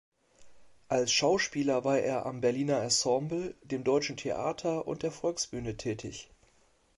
Als Schauspieler war er am Berliner Ensemble, dem Deutschen Theater und der Volksbühne tätig.